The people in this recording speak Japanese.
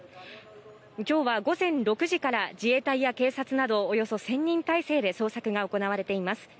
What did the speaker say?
今日は午前６時から自衛隊や警察などおよそ１０００人態勢で捜索が行われています。